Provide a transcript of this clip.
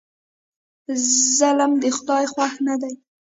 ظلم د خدای خوښ نه دی.